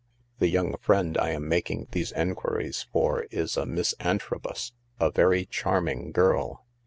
The young friend I am making these enquiries for is a Miss Antrobus— a very charming girl.